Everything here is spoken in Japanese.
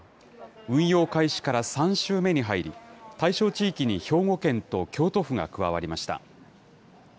運用開始から３週目に入り、対象地域に兵庫県と京都府が加わりました。